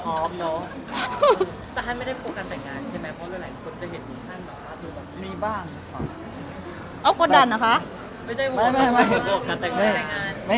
โอ้มนะ